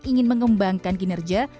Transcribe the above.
ingin mengembangkan kinerja